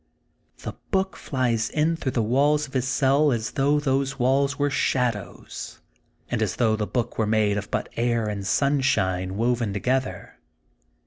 The book flies in through the walls of his cell as though those walls were shadows, and as though the book were made THE GOLDEN &OOK OF SPRINGFIELD 81 of but air and sanshine, woven together.